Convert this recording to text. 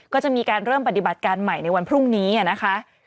ก็จะมีการเริ่มปฏิบัติการใหม่ในวันพรุ่งนี้นะคะ